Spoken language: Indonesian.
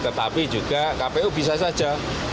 tetapi juga kpu bisa saja